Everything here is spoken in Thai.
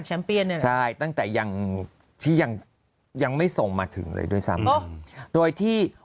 เปลี่ยนใช่ตั้งแต่ยังที่ยังยังไม่ส่งมาถึงเลยด้วยซ้ำโดยที่